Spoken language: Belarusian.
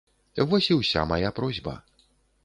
Вось і ўся мая просьба.